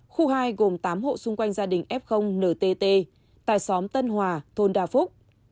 khu hai gồm tám hộ xung quanh gia đình f ntt tại xóm tân hòa thôn đa phúc